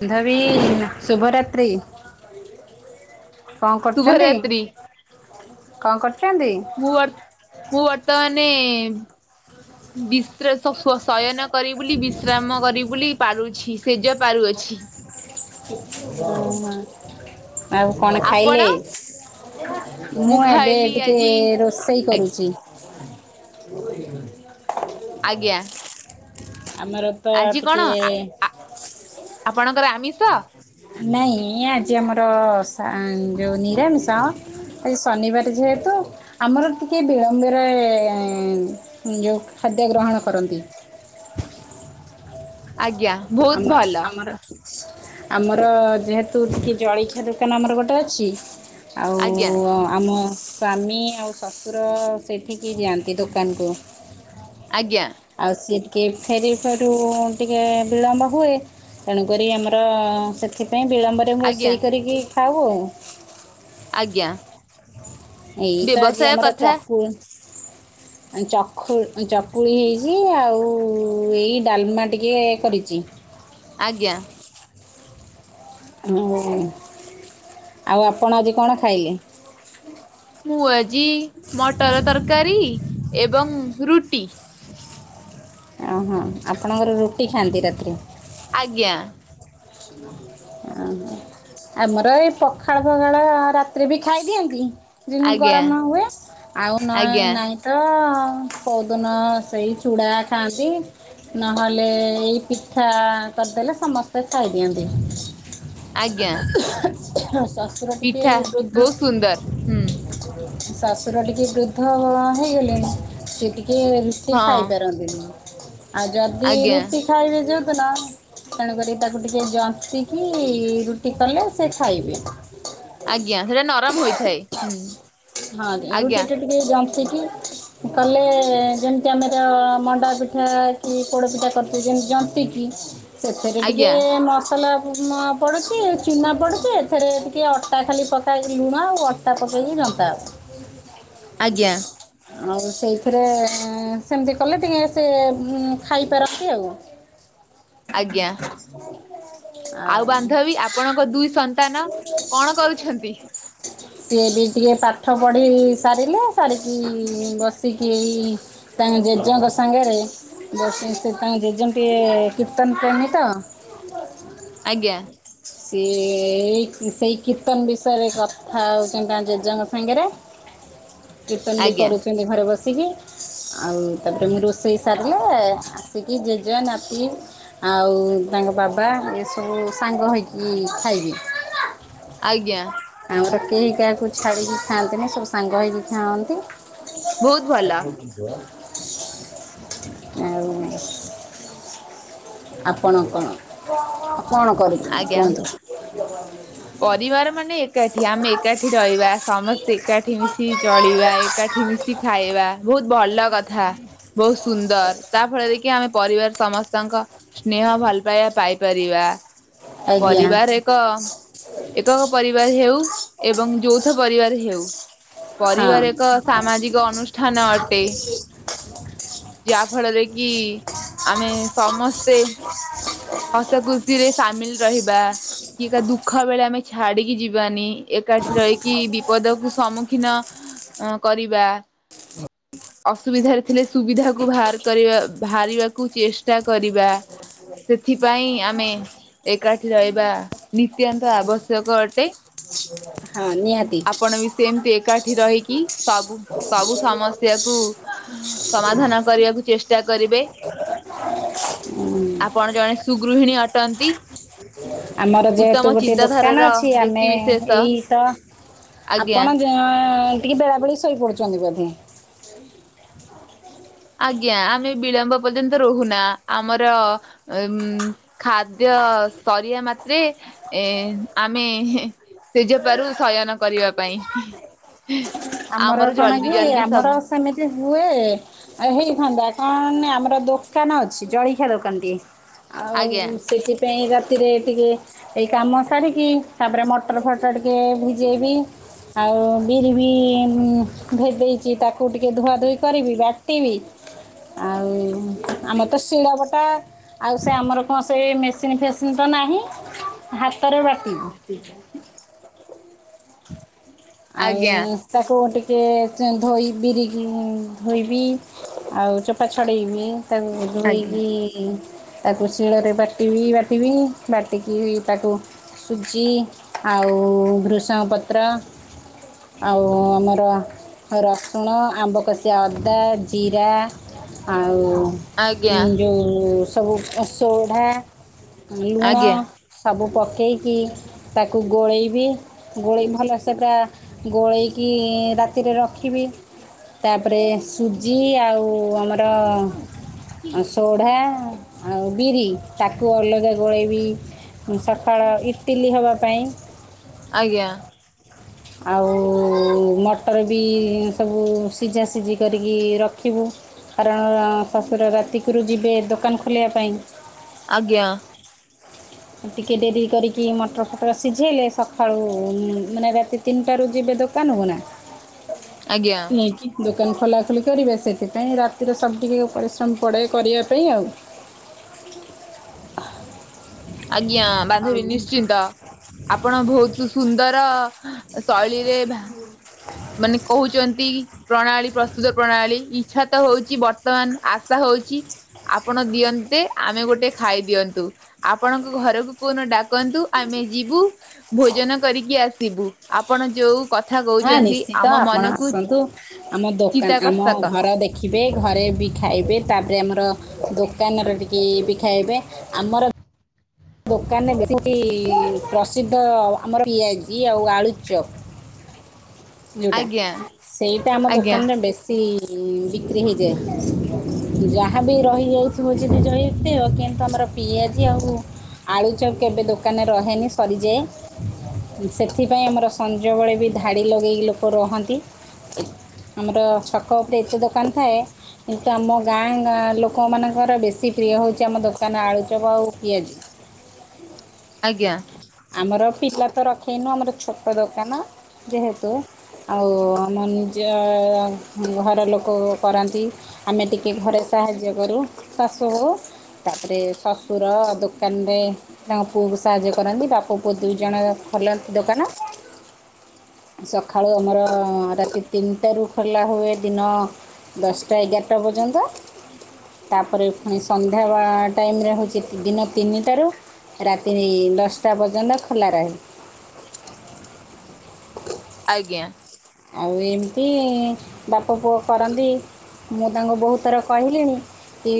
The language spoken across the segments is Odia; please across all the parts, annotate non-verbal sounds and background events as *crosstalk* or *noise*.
ବାନ୍ଧବୀ ଶୁଭରାତ୍ରି, କଁ କରୁଛନ୍ତି? ଶୁଭରାତ୍ରି କଁ କରୁଛନ୍ତି? ମୁଁ ବର୍ ମୁଁ ବର୍ତ୍ତମାନ ବି ଶୟନ କରିିବୁଲି ବିଶ୍ରାମ କରିିବୁଲି ପାରୁଛି ସେଜ ପାରୁଅଛି। ଓ ହଁ, ଆଉ କଣ ଆପଣ ଖାଇଲେ? ମୁଁ ଏବେ ଖାଇଲି ଟିକେ ଆଜି ରୋଷେଇ କରୁଛି। *inaudible* ଆଜ୍ଞା। ଆମର ପା ଆଜି କଣ ଟିକେ ଆ ଆ ଆପଣଙ୍କର ଆମିଷ ନାଇଁ ଆଜି ଆମର ସା ଯୋଉ ନିରାମିଷ। ଆଜି ଶନିବାର ଯେହେତୁ। ଆମର ଟିକିଏ ବିଳମ୍ବରେ ଏଁ ଯୋଉ ଖାଦ୍ୟ ଗ୍ରହଣ କରନ୍ତି। ଆଜ୍ଞା। ବହୁତ ଆମ ଭଲ ଆମର ଆମର ଯେହେତୁ ଟିକେ ଜଳଖିଆ ଦୋକାନ ଆମର ଗୋଟେ ଅଛି। ଆଉ। ଆଜ୍ଞା ଆମ ସ୍ୱାମୀ ଆଉ ଶ୍ୱଶୁର ସେଠିକି ଯାଆନ୍ତି ଦୋକାନକୁ। ଆଜ୍ଞା। ଆଉ ସିଏ ଟିକେ ଫେରୁ ଫେରୁ ଟିକେ ବିଳମ୍ବ ହୁଏ। ତେଣୁକରି ଆମର ସେଥିପାଇଁ ବିଳମ୍ବରେ ଆଜ୍ଞା ରୋଷେଇ କରିକି ଖାଉ ଆଉ। ଆଜ୍ଞା। ଏଇ ତ ଆଜି ବ୍ୟବସାୟ ଆମର କଥା ଚକୁ ଚକୁ ଚକୁଳି ହେଇଛି ଆଉ ଏଇ ଡାଲମା ଟିକେ କରିଛି। ଆଜ୍ଞା। ହ ଆଉ ଆପଣ ଆଜି କଣ ଖାଇଲେ? ମୁଁ ଆଜି ମଟର ତରକାରୀ ଏବଂ ରୁଟି। ଓ ହଁ ଆପଣଙ୍କର ରୁଟି ଖାଆନ୍ତି ରାତିରେ। ଆଜ୍ଞା। *inaudible* ଓହୋ ଆମର ଏଇ ପଖାଳ ପଖାଳ ରାତିରେ ବି ଖାଇଦିଅନ୍ତି। ଦିନ ଆଜ୍ଞା ଗରମ ନ ହୁଏ ଆଉ ନ ଆଜ୍ଞା ଆଜ୍ଞା ନହିଁ। ତ କଉଦନ ସେଇ ଚୁଡ଼ା ଖାଆନ୍ତି। ନହେଲେ ଏଇ ପିଠା କରିଦେଲେ ସମସ୍ତେ ଖାଇଦିଅନ୍ତି। ଆଜ୍ଞା ଶ୍ୱାଶୁର ଟିକେ ପିଠା ବୃଦ୍ଧ। ବହୁତ ସୁନ୍ଦର ହୁଁ ଶଶୁର ଟିକେ ବୃଦ୍ଧ ହେଇଗଲେଣି ସେ ଟିକେ ରୁଟି ହଁ ଖାଇ ପାରନ୍ତିନି। ଆଉ ଯଦି ଆଜ୍ଞା ରୁଟି ଖାଇବେ ଯୋଉଦିନ ତେଣୁକରି ତାକୁ ଟିକେ ଜନ୍ତି। କି ରୁଟି କଲେ ସେ ଖାଇବେ। ଆଜ୍ଞା ସେଇଟା ନରମ ହୋଇଥାଏ ହୁଁ। ହଁ ରୁଟି। ଆଜ୍ଞା ଟିକେ ଜନ୍ତିକି କଲେ ଯେମିତି ଆମର ମଣ୍ଡା ପିଠା। କି ପୋଡ଼ପିଠା କରିଥି ଯେମତି ଜପିକି ସେଥିରେ ଟିକେ ଆଜ୍ଞା ମସଲା। ପଡ଼ୁଛି ଚୁନା ପଡ଼ୁଛି ଏଥିରେ ଟିକେ ଅଟା ଖାଲି ପକାଇକି ଲୁଣ ଆଉ ଅଟା ପକେଇକି ଜନ୍ତା ଆଉ। *unintelligible* ଆଜ୍ଞା ଆଉ ସେଇଥିରେ ସେମିତି କଲେ ଟିକେ ସେ ଖାଇପାରନ୍ତି ଆଉ। *unintelligible* ଆଜ୍ଞା। ଆଉ ବାନ୍ଧବୀ ଆପଣଙ୍କ ଦୁଇ ସନ୍ତାନ କଣ କରୁଛନ୍ତି? ସିଏ ବି ଟିକେ ପା। ପାଠ ପଢ଼ି ସାରିଲେ ସାରିକି ବସିକି ଏଇ- ତାଙ୍କ ଜେଜେଙ୍କ ସାଙ୍ଗରେ ବସି ତାଙ୍କ ଜେଜେ ଟିକେ କୀର୍ତ୍ତନ ପ୍ରେମୀ ତଅ - *unintelligible* ଆଜ୍ଞା। ସିଏ ଏଇ ସେଇ କୀର୍ତ୍ତନ ବିଷୟରେ କଥା ହଉଛନ୍ତି ତାଙ୍କ ଜେଜେଙ୍କ ସାଙ୍ଗରେ କୀର୍ତ୍ତନ ବି ଆଜ୍ଞା କହିଛନ୍ତି ଘରେ ବସିକି। ଆଉ ତାପରେ ମୁଁ ରୋଷେଇ ସାରିଲେ ଆସିକି ଜେଜେ ନାତି- ଆଉ ତାଙ୍କ ବାବା ଏସବୁ ସାଙ୍ଗ ହେଇକି ଖାଇବେ ଆଜ୍ଞା। ଆମର କେହି କାହାକୁ ଛାଡ଼ିକି ଖାଆନ୍ତିନି? ସବୁ ସାଙ୍ଗ ହେଇକି ଖାଆନ୍ତି! ବହୁତ ଭଲ *inaudible* ଆଉ ନାଇଁ। ଆପଣ କଣ, କଣ କରି ଆଜ୍ଞା। *inaudible* ପରିବାର ମାନେ ଏକାଠି! ଆମେ ଏକାଠି ରହିବା, ସମସ୍ତେ ଏକାଠି ମିଶିକି ଚଳିବା। ଏକ ଏକାଠି ମିଶି ଖାଇବା, ବହୁତ ଭଲ କଥା। ବହୁତ ସୁନ୍ଦର। ତା' ଫଳରେକି ଆମେ ପରିବାର ସମସ୍ତଙ୍କ ସ୍ନେହ ଭଲ ପାଇବା ପାଇପାରିବା। ଆଜ୍ଞା ପରିବାର ଏକ ଏକକ ପରିବାର ହେଉ, ଏବଂ ଯୌଥ ପରିବାର ହେଉ। ହଁ ପରିବାର ଏକ ସାମାଜିକ ଅନୁଷ୍ଠାନ ଅଟେ। ଯାହା ଫଳରେ କି ଆମେ ସମସ୍ତେ ହସ ଖୁସି ରେ ସାମିଲ ରହିବା। କିଏ କା ଦୁଃଖ ବେଳେ ଆମେ ଛାଡିକି ଯିବାନି। ଏକାଠି ରହିକି ବିପଦକୁ ସମ୍ମୁଖୀନ କରିବା। ଅସୁବିଧାରେ ଥିଲେ ସୁବିଧାକୁ ବାହାର କରିବା, ବାହାରିବାକୁ ଚେଷ୍ଟା କରିବା। ସେଥିପାଇଁ ଆମେ ଏକାଠି ରହିବା ନିତ୍ୟାନ୍ତ ଆବଶ୍ୟକ ଅଟେ। ହଁ, ନିହାତି। ଆପଣ ବି ସେମିତି ଏକାଠି ରହିକି, ସବୁ ସବୁ ସମସ୍ୟାକୁ ସମାଧାନ କରିବାକୁ ଚେଷ୍ଟା କରିବେ। ଆପଣ ଜଣେ ସୁଗୃହିଣୀ ଅଟନ୍ତି। ଆମର ଉତ୍ତମ ଯେହେତୁ ଗୋଟେ ଦୋକାନ ଚିନ୍ତାଧାରାର ଅଛି। ବ୍ୟକ୍ତି ଆମେ ବିଶେଷ ଏଇ ତ ଆପଣ ଆଜ୍ଞା। ଜଁ-ଅ ଟିକିଏ ବେଳାବେଳି ଶୋଇପଡ଼ୁଚନ୍ତି ବୋଧେ! ଆଜ୍ଞା, ଆମେ ବିଳମ୍ବ ପର୍ଯ୍ୟନ୍ତ ରହୁନା। ଆମର ଉଁ ଖାଦ୍ୟ ସରିବା ମାତ୍ରେ, ଏଁ ଆମେ ହେଁ ସେଜପାରୁ ଶୟନ କରିବା ପାଇଁ। ଆମର କଣ ଜଲ୍ଦି କି, ଜଲ୍ଦି ଆମର ସବୁ ସେମିତି ହୁଏ। ହେଇଥାନ୍ତା। କଣ ନା ଆମର ଦୋକାନ ଅଛି, ଜଳଖିଆ ଦୋକାନଟି। ଆଉ, ଆଜ୍ଞା ସେଥିପାଇଁ ରାତ୍ ସେଥିରେ ଟିକିଏ ଏଇ କାମ ସାରିକି, ତା'ପରେ ମଟର ଫଟର ଟିକେ ଭିଜେଇବି। ଆଉ, ବିରି ବି-ଇଁ ଭେଦେଇଚି। ତାକ୍ କୁ ଟିକେ ଧୁଆଧୁୋଇ କରିବି, ବାଟିବି, ଆଉ ଆମ ତ ଶିଳବଟା ଆଉ ସେ ଆମର କଁ ସେ ମେସିନ ଫେସିନ ତ ନାହିଁ? ହାତ୍ *inaudible* ଆଉଁ-ଉଁ ତାକୁ ଟିକେ ଧୋଇ, ବିରିକି ଧୋଇବି ଆଉ, ଚ ଚପା ଛଡ଼େଇବି, ତାକୁ ଆଜ୍ଞା ଧୋଇକି-ଇ ତାକୁ ଶିଳରେ ବାଟିବି, ବାଟିବି, ବାଟିକିରି ତାକୁ ସୁଜି ଆଉ, ଭୃଷଙ୍ଗ ପତ୍ର ଆଉ, ଆମର ରସୁଣ, ଆମ୍ବକଷିଆ ଅଦା, ଜିରା ଆଉଁ, ଆଜ୍ଞା ଯୋଉ ସବୁ ସୋଢ଼ା ଲୁଣ ଆଜ୍ଞା ସବୁ ପକେଇକି, ତାକୁ ଗୋଳେଇବି, ଗୋଳେଇ ଭଲସେ ସେଟା ଗୋଳେଇକି-ଇଁ ରାତିରେ ରଖିବି। ତା'ପରେ ସୁଜି ଆଉ, ଆମର ସୋଢ଼ା, ଆଉ ବିରି, ତାକୁ ଅଲଗା ଗୋଳେଇବି। ସକାଳ ଇଟିଲି ହବା ପାଇଁ। ଆଜ୍ଞା। ଆଉ ମଟର ବି ସବୁ ସିଝା ସିଝି କରିକି ରଖିବୁ। କାରଣ ଶଶୁର ରାତିକୁରୁ ଯିବେ ଦୋକାନ ଖୋଲିବା ପାଇଁ। ଆଜ୍ଞା। ଟିକେ ଡେରି କରିକି ମଟର ଫଟର ସିଝେଇଲେ, ସକାଳୁ ମାନେ ରାତି ତିନିଟାରୁ ଯିବେ ଦୋକାନକୁ ନା। ଆଜ୍ଞା ନେଇକି ଦୋକାନ ଖୋଲାଖୋଲି କରିବେ, ସେଥିପାଇଁ ରାତିରୁ ସବୁ ଟିକେ ପରିଶ୍ରମ ପଡ଼େ କରିଆ ପାଇଁ ଆଉ। ଆଜ୍ଞା ଆଉ ବାନ୍ଧବୀ ନିଶ୍ଚିନ୍ତ ଆପଣ ବହୁତ ଯୁ ସୁନ୍ଦର ଶୈଳୀରେ ଭା ମାନେ କହୁଛନ୍ତି। ପ୍ରଣାଳୀ ପ୍ରସ୍ତୁତ ପ୍ରଣାଳୀ ଇଚ୍ଛା ତ ହଉଛି, ବର୍ତ୍ତମାନ ଆଶା ହଉଛି ଆପଣ ଦିଅନ୍ତେ ଆମେ ଗୋଟେ ଖାଇ ଦିଅନ୍ତୁ। ଆପଣଙ୍କ ଘରକୁ କୋଉଦିନ ଡାକନ୍ତୁ, ଆମେ ଯିବୁ। ଭୋଜନ କରିକି ଆସିବୁ, ଆପଣ ଯୋଉ କଥା ହଁ କହୁଛନ୍ତି ଆମ ନିଶ୍ଚିତ ଆପଣ ମନକୁ ଆସନ୍ତୁ, ଆମ ଦୋକାନ ଆମ ଚିତାକର୍ଷକ ଘର ଦେଖ ଦେଖିବେ ଘରେ ବି ଖାଇବେ, ତାପରେ ଆମର ଦୋକାନରେ ଟିକେ ବି ଖାଇବେ। ଆମର ଦୋକାନରେ ବେଶି ପ୍ରସିଦ୍ଧ ଆମର ପିଆଜି ଆଉ ଆଳୁ ଚପ୍। ଯଉଟା ଆଜ୍ଞା ସେଇଟା ଆମ ଆଜ୍ଞା ଦୋକାନର ବେଶୀ ଇ ବିକ୍ରି ହେଇଯାଏ। ଯାହା ବି ରହିଯାଉଥିବା *unintelligible* କିନ୍ତୁ ଆମର ପିଆଜି ଆଉ ଆଳୁ ଚପ୍ କେବେ ଦୋକାନରେ ରହେନି ସରିଯାଏ। ସେଥିପାଇଁ ଆମର ସଞ୍ଜବେଳେ ବି ଧାଡ଼ି ଲଗେଇକି ଲୋକ ରହନ୍ତି। ଆମର ଛକ ଉପରେ ଏତେ ଦୋକାନ ଥାଏ। କିନ୍ତୁ ଆମ ଗାଁ ଗାଁ ଲୋକମାନଙ୍କର ବେଶୀ ପ୍ରିୟ ହେଉଛି, ଆମ ଦୋକାନ ଆଳୁ ଚପ ଆଉ ପିଆଜି। ଆଜ୍ଞା। ଆମର ପିଲା ତ ରଖେନୁ, ଆମର ଛୋଟ ଦୋକାନ ଯେହେତୁ। ଆଉ ଆମ ନିଜ ଘର ଲୋକ କରନ୍ତି। ଆମେ ଟିକେ ଘରେ ସାହାଯ୍ୟ କରୁ, ଶାଶୁ ବୋହୁ। ତାପରେ ଶଶୁର ଦୋକାନ ରେ ତାଙ୍କ ପୁଅକୁ ସାହାଯ୍ୟ କରନ୍ତି। ବା ବାପ ପୁଅ ଦୁଇ ଜଣ ଯାକ ଖୋଲନ୍ତି ଦୋକାନ। ସଖାଳୁ ଆମର ରାତି ତିନିଟାରୁ ଖୋଲା ହୁଏ ଦିନ ଦଶଟା ଏଗାରଟା ପର୍ଯ୍ୟନ୍ତ। ତାପରେ ପୁଣି ସନ୍ଧ୍ୟା ବା ଟାଇମରେ ହଉଛି ଦିନ ତିନିଟାରୁ ରାତି ଦଶଟା ପର୍ଯ୍ୟନ୍ତ ଖୋଲା ରହେ। ଆଜ୍ଞା। ଆଉ ଏମିତି ବାପ ପୁଅ କରନ୍ତି, ମୁଁ ତାଙ୍କୁ ବହୁତ ଥର କହିଲିଣି ଏ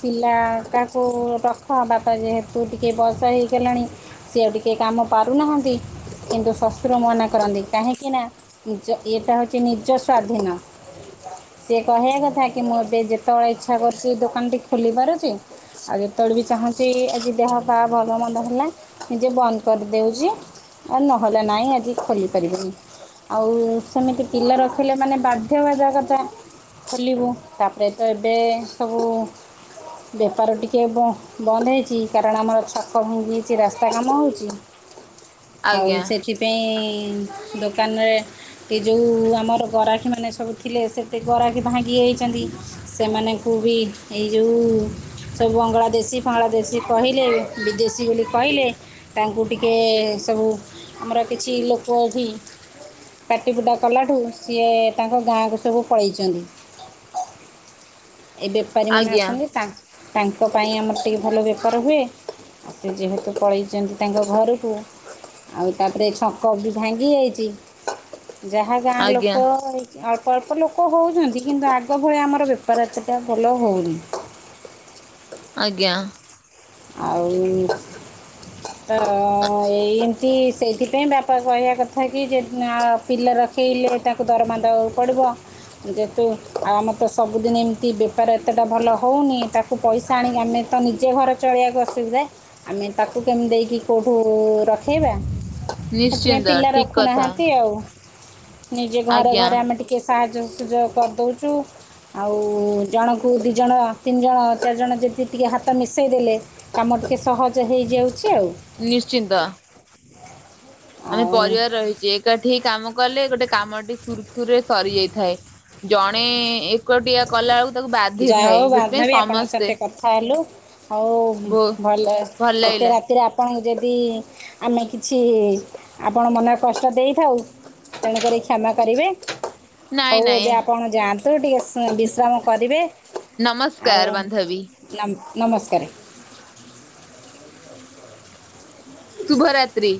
ପିଲାଟାକୁ ରଖ ବାପା ଯେହେତୁ ଟିକେ ବୟସ ହେଇଗଲାଣି। ସିଏ ଆଉ ଟିକେ କାମ ପାରୁନାହାଁନ୍ତି, କିନ୍ତୁ ଶଶୁର ମନା କରନ୍ତି କାହିଁକିନା ନିଜ ଇଏଟା ହେଉଛି ନିଜ ସ୍ଵାଧୀନ। ସେ କହିବା କଥା କି ମୁଁ ଏବେ ଯେତେବେଳେ ଇଚ୍ଛା କରୁଛି ଦୋକାନ ଟି ଖୋଲି ପାରୁଛି। ଆଉ ଯେତେବେଳେ ବି ଚାହୁଁଛି, ଆଜି ଦେହ ପା ଭଲମନ୍ଦ ହେଲା ନିଜେ ବନ୍ଦ କରିଦେଉଚି। ଆଉ ନହେଲେ ନାଇଁ ଆଜି ଖୋଲି ପାରିବିନି। ଆଉ ସେମିତି ପିଲା ରଖିଲେ ମାନେ ବାଧ୍ୟ ବାଧକତା। ଖୋଲିବୁ, ତାପରେ ତ ଏବେ ସବୁ ବେପାର ଟିକେ ବ ବନ୍ଦ ହେଇଛି କାରଣ ଆମର ଛକ ଭାଙ୍ଗି ଯାଇଚି ରାସ୍ତା କାମ ହୋଉଚି। ଆଉ ଆଜ୍ଞା ସେଥିପାଇଁ ଦୋକାନରେ ସେ ଯୋଉ ଆମର ଗରାକୀମାନେ ସବୁ ଥିଲେ ସେତେ ଗରାକୀ ଭାଙ୍ଗି ଯାଇଛନ୍ତି ସେମାନଙ୍କୁ ବି ଏଇ ଯୋଉ ସବୁ ବଙ୍ଗଳାଦେଶୀ ଫଙ୍ଗଳାଦେଶୀ କହିଲେ ବିଦେଶୀ ବୋଲି କହିଲେ। ତାଙ୍କୁ ଟିକେ ସବୁ ଆମର କିଛି ଲୋକ ଭି ପାଟିପୁଟା କଲାଠୁ ସିଏ ତାଙ୍କ ଗାଁକୁ ସବୁ ପଳେଇଚନ୍ତି। ଏ ଆଜ୍ଞା ବେପାରୀମାନେ ଆଜ୍ଞା ଆସନ୍ତି ତା ତାଙ୍କ ପାଇଁ ଆମର ଟିକେ ଭଲ ବେପାର ହୁଏ। ସେ ଯେହେତୁ ପଳେଇଚନ୍ତି ତାଙ୍କ ଘରୁକୁ। ଆଉ ତାପରେ ଛକ ବି ଭାଙ୍ଗି ଆଇଛି ଯାହା ଗାଁ ଲୋକ ଆଜ୍ଞା ହେ ଳ୍ପ ଅଳ୍ପ ଲୋକ ହୋଉଚନ୍ତି କିନ୍ତୁ ଆଗ ଭଳିଆ ଆମର ବେପାର ଏତେଟା ଭଲ ହୋଉନି। ଆଜ୍ଞା ଆଉ ତ ଏଇ ଚି ସେଇଥିପାଇଁ ବାପା କହିବା କଥା କି ଯେ ଆଁ ପିଲା ରଖେଇଲେ ତାକୁ ଦରମା ଦବାକୁ ପଡ଼ିବ। ଯେତୁ ଆମର ତ ସବୁଦିନ ଏମିତି ବେପାର ଏତେଟା ଭଲ ହୋଉନି ତାକୁ କୁ ପଇସା ଆଣିକି ଆମେ ତ ନିଜେ ଘର ଚଳେଇବାକୁ ଅସୁବିଧା ଆମେ ତାକୁ କେମିତି ଦେଇକି କଉଠୁ ରଖେଇବା। ହେଥିପାଇଁ ନିଶ୍ଚିନ୍ତ ପିଲା ଠିକ କଥା ରଖୁନାହାନ୍ତି ଆଉ। ନିଜେ ଘରେ ଆଜ୍ଞା ଘରେ ଆମେ ଟିକେ ସାହାଯ୍ୟ ସୁଯୋଗ କରଦଉଚୁ। ଆଉ ଜଣଙ୍କୁ ଦିଜଣ ତିନି ଜଣ ଚାରିଜଣ ଯଦି ଟିକେ ହାତ ମିଶେଇ ଦେଲେ। କାମ ଟିକେ ସହଜ ହେଇଯାଉଚି ଆଉ ‌ ନିଶ୍ଚିନ୍ତ। ଆମେ ଆଉ ପରିବାର ରହି ଯେ ଏକାଠି କାମ କଲେ ଗୋଟେ କାମଟି ସୁରୁଖୁରୁରେ ସରିଯାଇଥାଏ। ଜଣେ ଏକୁଟିଆ କଲା ବେଳକୁ ତାକୁ ବାଧିଥାଏ ସେଥିପାଇଁ ସମସ୍ତେ। ଥା ହେଲୁ ଆଉ ବୋ ଭଲ ଭଲ ଏତେ ଲାଗିଲା ରାତିରେ ପଣଙ୍କୁ ଯଦି ଆମେ କିଛି ଆପଣନ ମନରେ କଷ୍ଟ ଦେଇଥାଉ ତେଣୁକରି କ୍ଷମା କରିବେ ନାଇଁ ହୋଉ ଏବେ ନାଇଁ ଆପଣ ଯାଆନ୍ତୁ। ଟିକେ ସ- ବିଶ୍ରାମ କରିବେ ନମସ୍କାର ଆଉ ବାନ୍ଧବୀ ନମ ନମସ୍କାରେ। ଶୁଭ ରାତ୍ରୀ